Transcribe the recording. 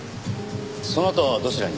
そのあとはどちらに？